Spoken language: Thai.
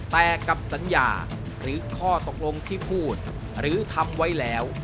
แต่กับสัญญาหรือข้อตกลงที่พูดหรือทำไว้แล้ว